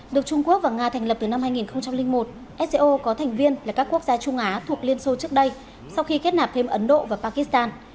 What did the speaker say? được trung quốc và nga thành lập từ năm hai nghìn một sco có thành viên là các quốc gia trung á thuộc liên xô trước đây sau khi kết nạp thêm ấn độ và pakistan